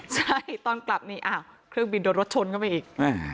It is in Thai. ใช่ตอนกลับนี่อ้าวเครื่องบินโดนรถชนเข้าไปอีก